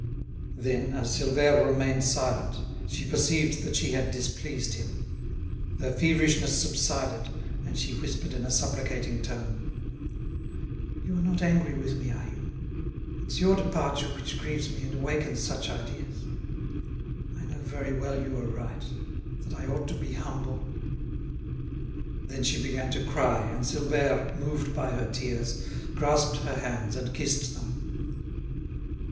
Then, as Silvère remained silent, she perceived that she had displeased him. Her feverishness subsided, and she whispered in a supplicating tone: "You are not angry with me, are you? It's your departure which grieves me and awakens such ideas. I know very well you are right—that I ought to be humble." Then she began to cry, and Silvère, moved by her tears, grasped her hands and kissed them.